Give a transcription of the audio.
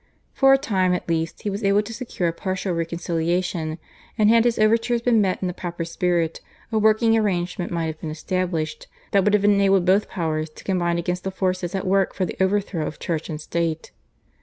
For a time at least he was able to secure a partial reconciliation, and had his overtures been met in the proper spirit a working arrangement might have been established, that would have enabled both powers to combine against the forces at work for the overthrow of Church and State.